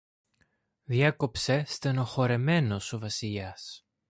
διέκοψε στενοχωρεμένος ο Βασιλιάς.